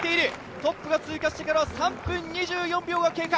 トップが通過してから３分２４秒が経過。